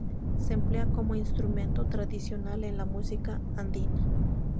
Se emplea como instrumento tradicional en la musica andina.